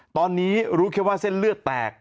ตอนนี้รู้แค่ว่าเส้นเลือดแตก